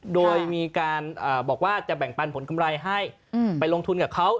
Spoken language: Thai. โดยมีการบอกว่าจะแบ่งปันผลกำไรให้ไปลงทุนกับเขา